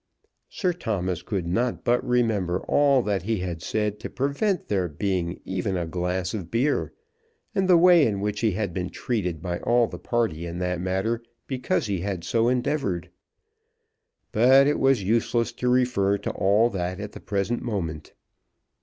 Sir Thomas could not but remember all that he had said to prevent there being even a glass of beer, and the way in which he had been treated by all the party in that matter, because he had so endeavoured. But it was useless to refer to all that at the present moment.